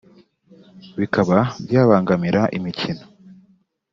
bikaba byabangamira imikino